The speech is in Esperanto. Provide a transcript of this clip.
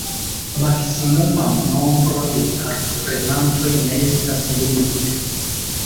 Maksimuma nombro de partoprenantoj ne estas limigita.